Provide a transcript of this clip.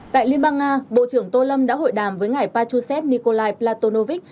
tại liên bang nga bộ trưởng tô lâm đã hội đàm với ngài patrushev nikolai plastonovic